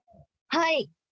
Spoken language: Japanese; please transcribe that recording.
はい。